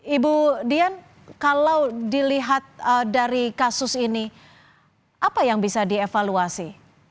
ibu dian kalau dilihat dari kasus ini apa yang bisa dievaluasi